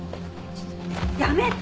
ちょっとやめて！